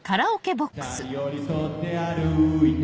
２人寄り添って歩いて